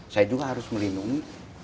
saya juga harus melindungi